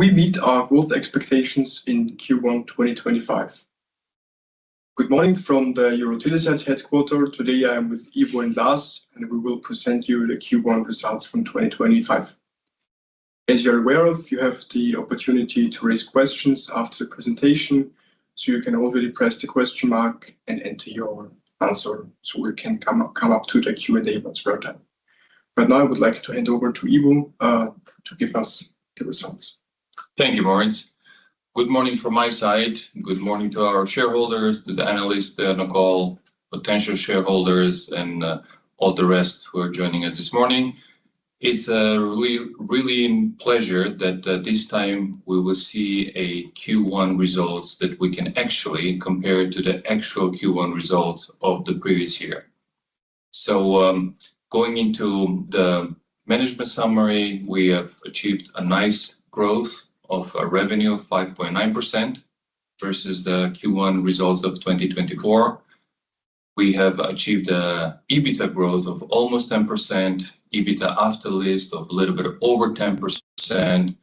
We meet our growth expectations in Q1 2025. Good morning from the EuroTeleSites headquarters. Today I am with Ivo and Lars, and we will present you the Q1 results from 2025. As you're aware of, you have the opportunity to raise questions after the presentation, so you can already press the question mark and enter your answer so we can come up to the Q&A once we're done. Now I would like to hand over to Ivo to give us the results. Thank you, Moritz. Good morning from my side. Good morning to our shareholders, to the analysts, to Nicole, potential shareholders, and all the rest who are joining us this morning. It's really a pleasure that this time we will see Q1 results that we can actually compare to the actual Q1 results of the previous year. Going into the management summary, we have achieved a nice growth of revenue of 5.9% versus the Q1 results of 2024. We have achieved an EBITDA growth of almost 10%, EBITDA after lease of a little bit over 10%.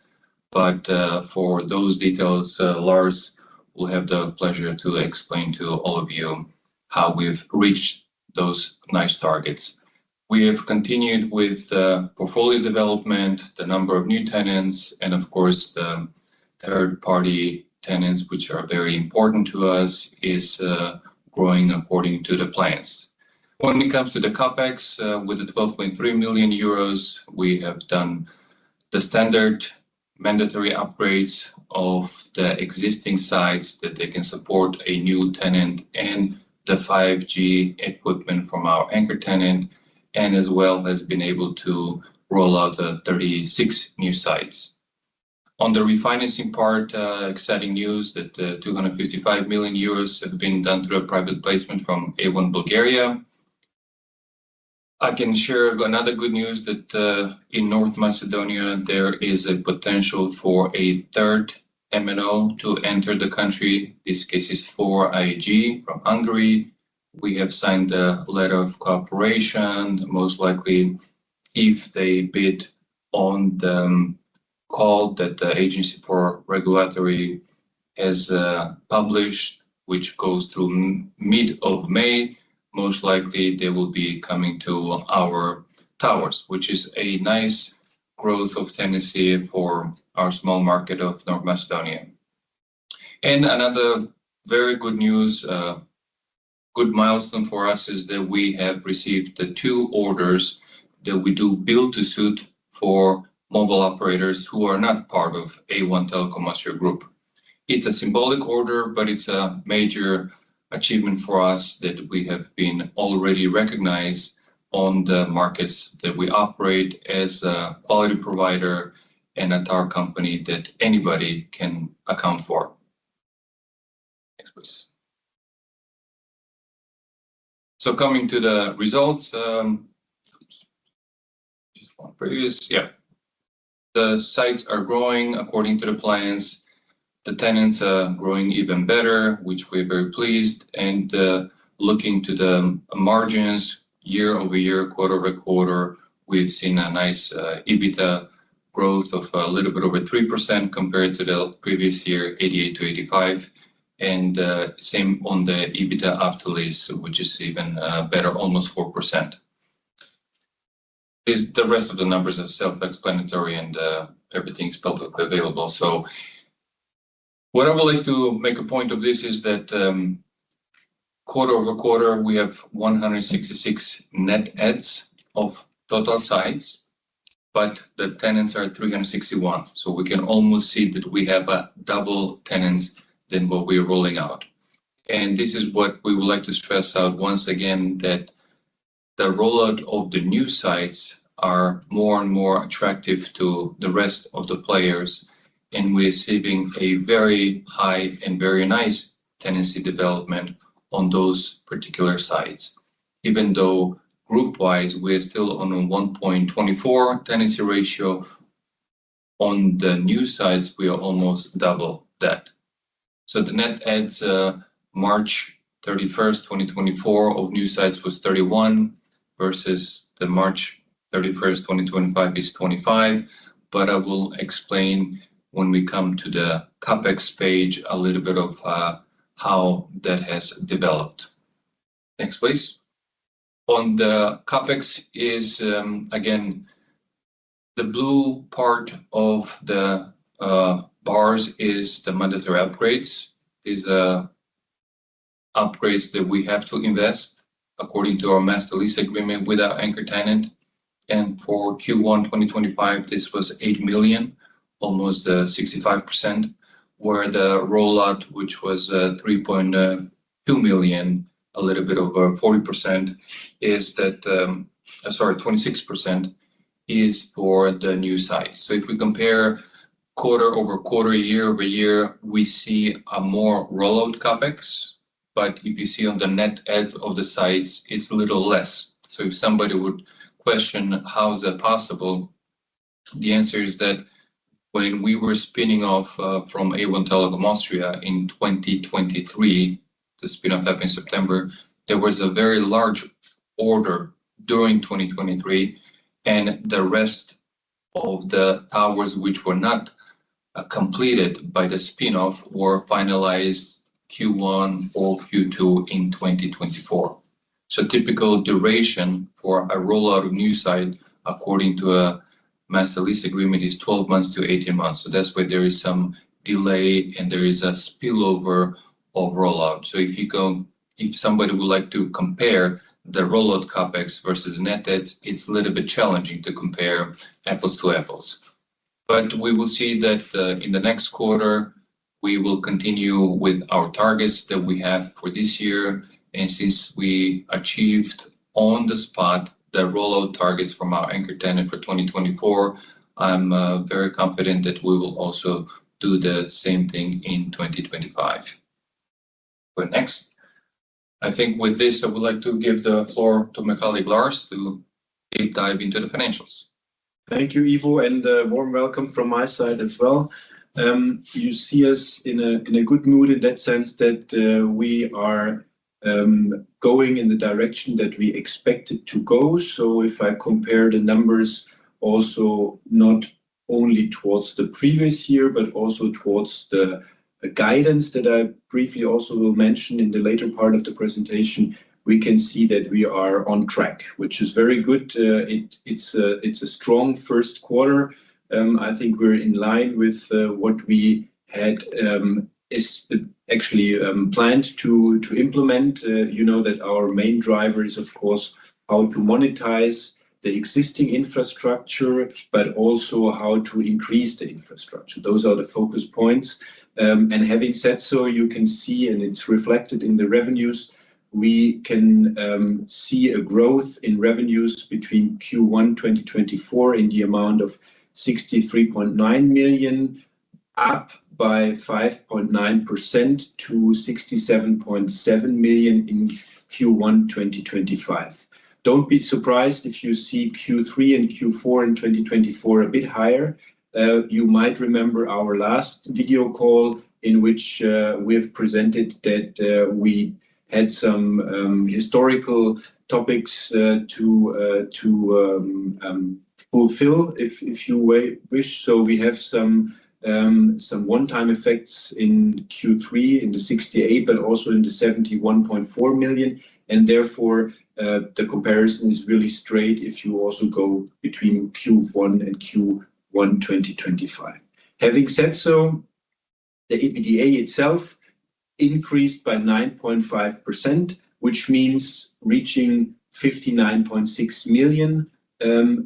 For those details, Lars will have the pleasure to explain to all of you how we've reached those nice targets. We have continued with portfolio development, the number of new tenants, and of course, the third-party tenants, which are very important to us, is growing according to the plans. When it comes to the CapEx, with the 12.3 million euros, we have done the standard mandatory upgrades of the existing sites that they can support a new tenant and the 5G equipment from our anchor tenant, as well as been able to roll out the 36 new sites. On the refinancing part, exciting news that the 255 million euros has been done through a private placement from A1 Bulgaria. I can share another good news that in North Macedonia, there is a potential for a third MNO to enter the country. This case is for 4iG from Hungary. We have signed a letter of cooperation. Most likely, if they bid on the call that the Agency for Regulatory has published, which goes through mid of May, most likely they will be coming to our towers, which is a nice growth of tenancy for our small market of North Macedonia. Another very good news, good milestone for us, is that we have received the two orders that we do build-to-suit for mobile operators who are not part of A1 Telekom Austria Group. It is a symbolic order, but it is a major achievement for us that we have been already recognized on the markets that we operate as a quality provider and a tower company that anybody can account for. Coming to the results, just one previous, yeah, the sites are growing according to the plans. The tenants are growing even better, which we are very pleased. Looking to the margins, year-over-year, quarter-over-quarter, we have seen a nice EBITDA growth of a little bit over 3% compared to the previous year, 88%-85%. Same on the EBITDA after lease, which is even better, almost 4%. The rest of the numbers are self-explanatory and everything's publicly available. What I would like to make a point of is that quarter over quarter, we have 166 net adds of total sites, but the tenants are 361. We can almost see that we have double tenants than what we are rolling out. This is what we would like to stress out once again, that the rollout of the new sites is more and more attractive to the rest of the players. We are seeing a very high and very nice tenancy development on those particular sites. Even though group-wise, we are still on a 1.24 tenancy ratio, on the new sites, we are almost double that. The net adds March 31st, 2024 of new sites was 31 versus the March 31st, 2025 is 25. I will explain when we come to the CapEx page a little bit of how that has developed. Next, please. On the CapEx, again, the blue part of the bars is the mandatory upgrades. These are upgrades that we have to invest according to our master lease agreement with our anchor tenant. For Q1 2025, this was 8 million, almost 65%, where the rollout, which was 3.2 million, a little bit over 40%, is that, sorry, 26% is for the new sites. If we compare quarter over quarter, year over year, we see more rollout CapEx. If you see on the net adds of the sites, it's a little less. If somebody would question how is that possible, the answer is that when we were spinning off from A1 Telekom Austria Group in 2023, the spin-off happened in September, there was a very large order during 2023. The rest of the towers, which were not completed by the spin-off, were finalized Q1 or Q2 in 2024. Typical duration for a rollout of new site according to a master lease agreement is 12 months-18 months. That is why there is some delay and there is a spillover of rollout. If you go, if somebody would like to compare the rollout CapEx versus net adds, it is a little bit challenging to compare apples to apples. We will see that in the next quarter, we will continue with our targets that we have for this year. Since we achieved on the spot the rollout targets from our anchor tenant for 2024, I'm very confident that we will also do the same thing in 2025. With this, I would like to give the floor to my colleague Lars to deep dive into the financials. Thank you, Ivo, and a warm welcome from my side as well. You see us in a good mood in that sense that we are going in the direction that we expected to go. If I compare the numbers also not only towards the previous year, but also towards the guidance that I briefly also will mention in the later part of the presentation, we can see that we are on track, which is very good. It is a strong first quarter. I think we are in line with what we had actually planned to implement. You know that our main driver is, of course, how to monetize the existing infrastructure, but also how to increase the infrastructure. Those are the focus points. Having said so, you can see, and it is reflected in the revenues, we can see a growth in revenues between Q1 2024 in the amount of 63.9 million, up by 5.9% to 67.7 million in Q1 2025. Don't be surprised if you see Q3 and Q4 in 2024 a bit higher. You might remember our last video call in which we have presented that we had some historical topics to fulfill if you wish. We have some one-time effects in Q3 in the 68 million, but also in the 71.4 million. Therefore, the comparison is really straight if you also go between Q1 and Q1 2025. Having said so, the EBITDA itself increased by 9.5%, which means reaching 59.6 million,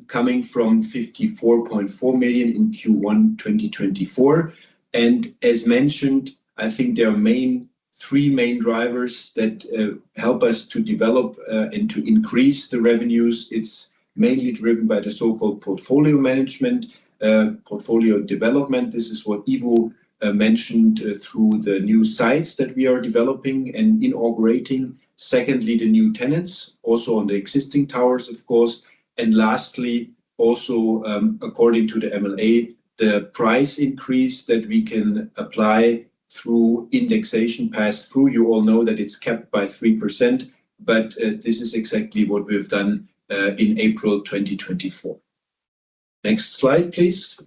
coming from 54.4 million in Q1 2024. As mentioned, I think there are three main drivers that help us to develop and to increase the revenues. It's mainly driven by the so-called portfolio management, portfolio development. This is what Ivo mentioned through the new sites that we are developing and inaugurating. Secondly, the new tenants, also on the existing towers, of course. Lastly, also according to the MLA, the price increase that we can apply through indexation pass through. You all know that it's capped by 3%, but this is exactly what we've done in April 2024. Next slide, please.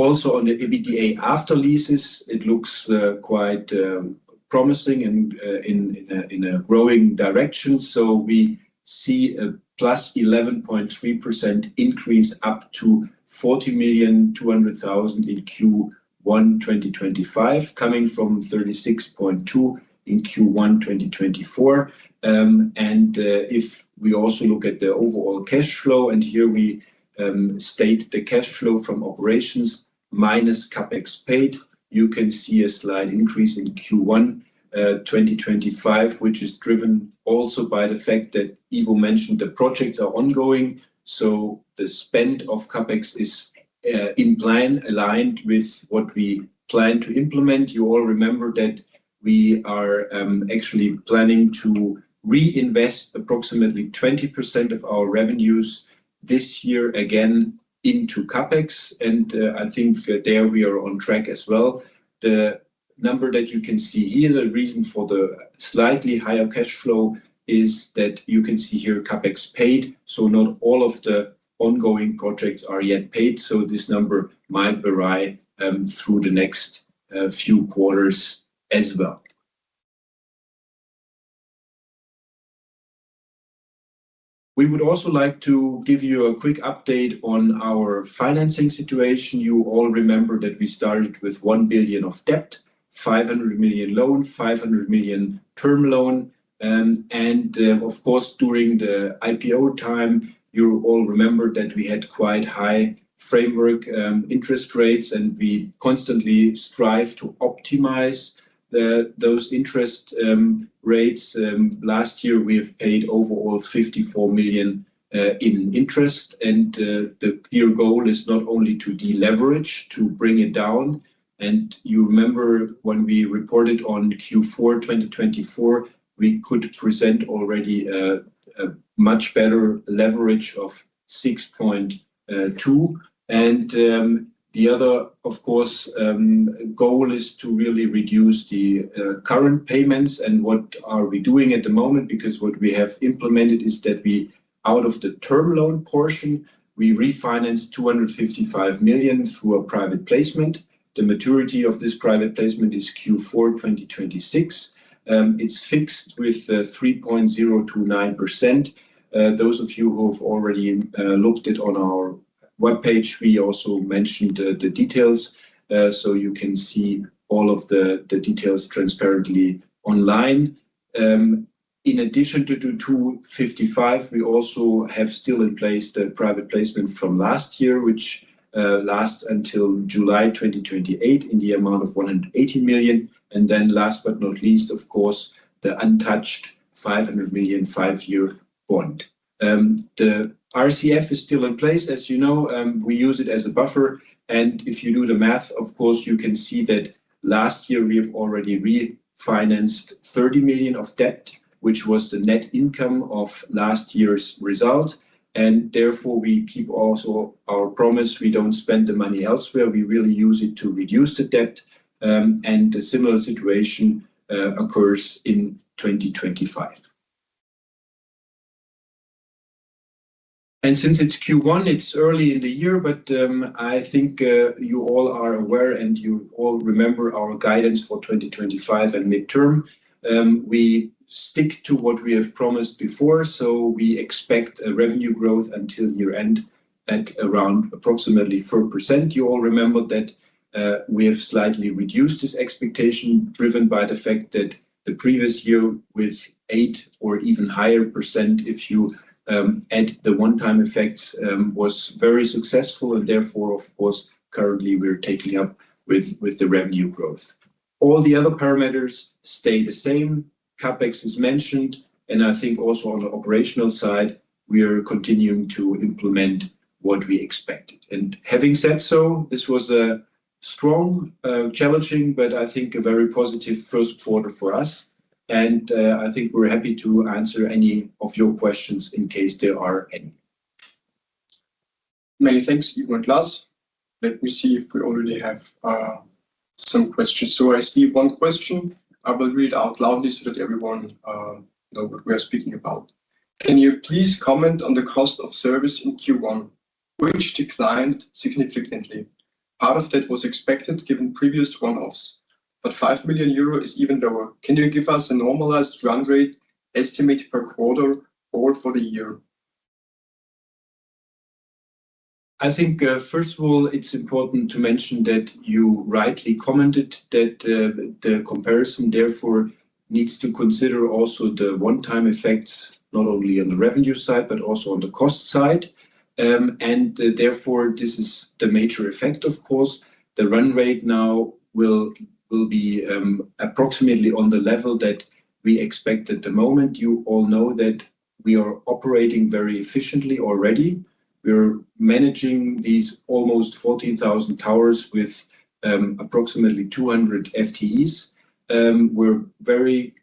Also on the EBITDA after leases, it looks quite promising and in a growing direction. We see a plus 11.3% increase up to 40,200,000 in Q1 2025, coming from 36,200,000 in Q1 2024. If we also look at the overall cash flow, and here we state the cash flow from operations minus CapEx paid, you can see a slight increase in Q1 2025, which is driven also by the fact that Ivo mentioned the projects are ongoing. The spend of CapEx is in line, aligned with what we plan to implement. You all remember that we are actually planning to reinvest approximately 20% of our revenues this year again into CapEx. I think there we are on track as well. The number that you can see here, the reason for the slightly higher cash flow is that you can see here CapEx paid. Not all of the ongoing projects are yet paid. This number might vary through the next few quarters as well. We would also like to give you a quick update on our financing situation. You all remember that we started with 1 billion of debt, 500 million loan, 500 million term loan. Of course, during the IPO time, you all remember that we had quite high framework interest rates, and we constantly strive to optimize those interest rates. Last year, we have paid overall 54 million in interest. The clear goal is not only to deleverage, to bring it down. You remember when we reported on Q4 2024, we could present already a much better leverage of 6.2. The other, of course, goal is to really reduce the current payments. What are we doing at the moment? Because what we have implemented is that we, out of the term loan portion, we refinanced 255 million through a private placement. The maturity of this private placement is Q4 2026. It is fixed with 3.029%. Those of you who have already looked at on our web page, we also mentioned the details. You can see all of the details transparently online. In addition to 255 million, we also have still in place the private placement from last year, which lasts until July 2028 in the amount of 180 million. Last but not least, of course, the untouched 500 million five-year bond. The RCF is still in place, as you know. We use it as a buffer. If you do the math, of course, you can see that last year we have already refinanced 30 million of debt, which was the net income of last year's result. Therefore, we keep also our promise. We do not spend the money elsewhere. We really use it to reduce the debt. A similar situation occurs in 2025. Since it's Q1, it's early in the year, but I think you all are aware and you all remember our guidance for 2025 and midterm. We stick to what we have promised before. We expect revenue growth until year-end at around approximately 4%. You all remember that we have slightly reduced this expectation driven by the fact that the previous year with 8% or even higher, if you add the one-time effects, was very successful. Therefore, of course, currently we're taking up with the revenue growth. All the other parameters stay the same. CapEx is mentioned. I think also on the operational side, we are continuing to implement what we expected. Having said so, this was a strong, challenging, but I think a very positive first quarter for us. I think we're happy to answer any of your questions in case there are any. Many thanks, Ivo and Lars. Let me see if we already have some questions. I see one question. I will read out loudly so that everyone knows what we are speaking about. Can you please comment on the cost of service in Q1, which declined significantly? Part of that was expected given previous one-offs, but 5 million euro is even lower. Can you give us a normalized run rate estimate per quarter or for the year? I think, first of all, it's important to mention that you rightly commented that the comparison therefore needs to consider also the one-time effects, not only on the revenue side, but also on the cost side. Therefore, this is the major effect, of course. The run rate now will be approximately on the level that we expect at the moment. You all know that we are operating very efficiently already. We are managing these almost 14,000 towers with approximately 200 FTEs. We're very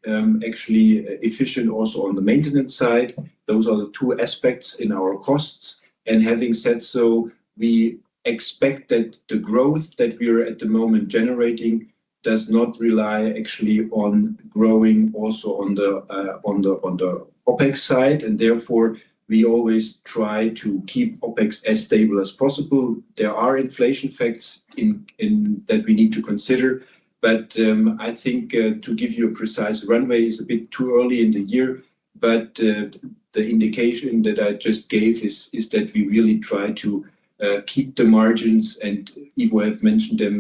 actually efficient also on the maintenance side. Those are the two aspects in our costs. Having said so, we expect that the growth that we are at the moment generating does not rely actually on growing also on the OPEX side. Therefore, we always try to keep OPEX as stable as possible. There are inflation facts that we need to consider. I think to give you a precise runway is a bit too early in the year. The indication that I just gave is that we really try to keep the margins. Ivo has mentioned them.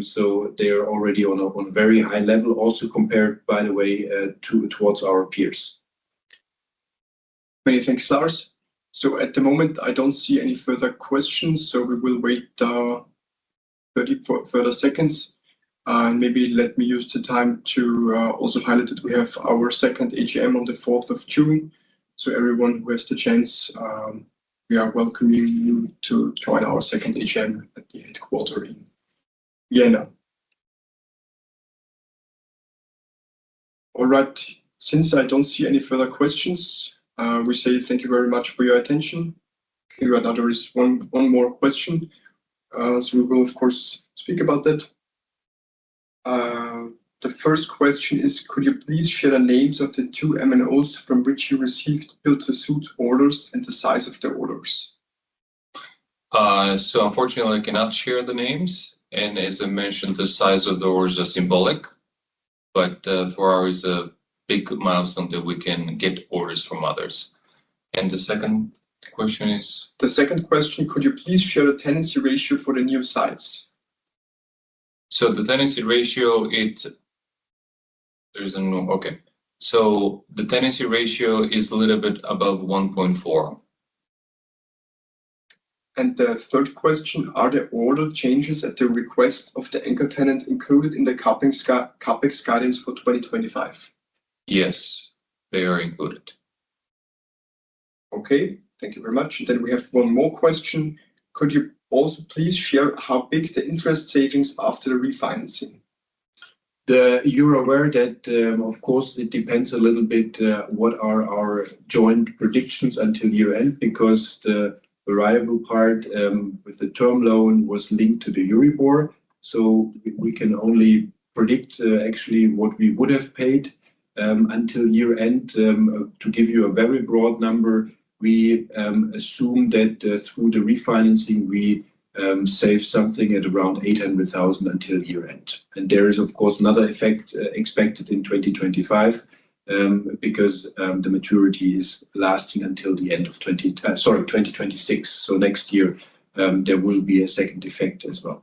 They are already on a very high level, also compared, by the way, towards our peers. Many thanks, Lars. At the moment, I do not see any further questions. We will wait 30 further seconds. Maybe let me use the time to also highlight that we have our second AGM on the 4th of June. Everyone who has the chance, we are welcoming you to join our second AGM at the headquarter in Vienna. All right. Since I do not see any further questions, we say thank you very much for your attention. There is one more question. We will, of course, speak about that. The first question is, could you please share the names of the two MNOs from which you received build-to-suit orders and the size of the orders? Unfortunately, I cannot share the names. As I mentioned, the size of the orders is symbolic. For us, it's a big milestone that we can get orders from others. The second question is? The second question, could you please share the tenancy ratio for the new sites? The tenancy ratio, there's a new, okay. The tenancy ratio is a little bit above 1.4. Are the order changes at the request of the anchor tenant included in the CapEx guidance for 2025? Yes, they are included. Okay. Thank you very much. We have one more question. Could you also please share how big the interest savings after the refinancing? You're aware that, of course, it depends a little bit what are our joint predictions until year-end because the variable part with the term loan was linked to the Euribor. We can only predict actually what we would have paid until year-end. To give you a very broad number, we assume that through the refinancing, we save something at around 800,000 until year-end. There is, of course, another effect expected in 2025 because the maturity is lasting until the end of 2026. Next year, there will be a second effect as well.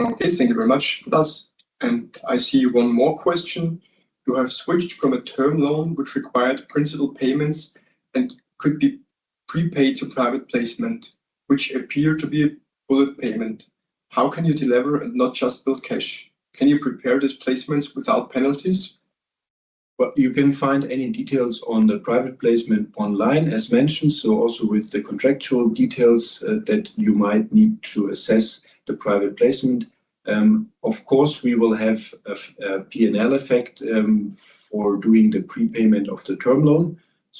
Okay. Thank you very much, Lars. I see one more question. You have switched from a term loan, which required principal payments and could be prepaid, to private placement, which appear to be a bullet payment. How can you deliver and not just build cash? Can you prepare these placements without penalties? You can find any details on the private placement online, as mentioned. Also with the contractual details that you might need to assess the private placement. Of course, we will have a P&L effect for doing the prepayment of the term loan.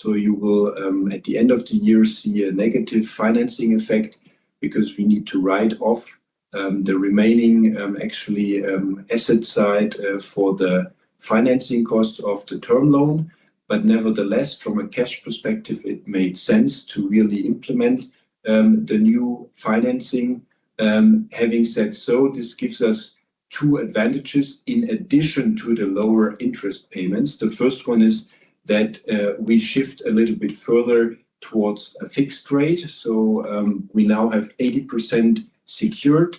You will, at the end of the year, see a negative financing effect because we need to write off the remaining actually asset side for the financing cost of the term loan. Nevertheless, from a cash perspective, it made sense to really implement the new financing. Having said so, this gives us two advantages in addition to the lower interest payments. The first one is that we shift a little bit further towards a fixed rate. We now have 80% secured.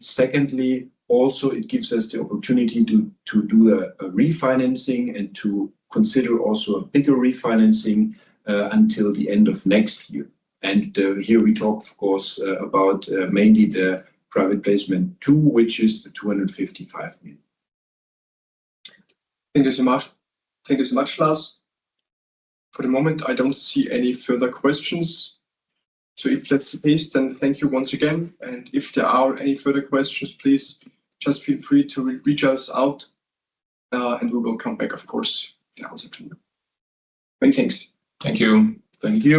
Secondly, also, it gives us the opportunity to do a refinancing and to consider also a bigger refinancing until the end of next year. Here we talk, of course, about mainly the private placement two, which is the 255 million. Thank you so much. Thank you so much, Lars. For the moment, I do not see any further questions. If that is the case, then thank you once again. If there are any further questions, please just feel free to reach us out. We will come back, of course, to answer to you. Many thanks. Thank you. Thank you.